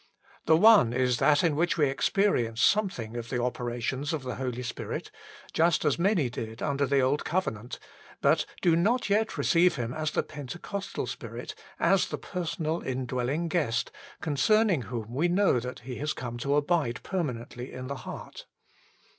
The one is that in which we experience something of the operations of the Holy Spirit, just as many did under the old covenant, but do not yet receive Him as the Pentecostal Spirit, as the personal indwelling Guest, concerning whom w r e know that He has come to abide permanently in the heart.